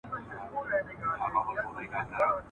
د اوږدې او لاعلاجه ناروغۍ له امله، وفات سوی دی ..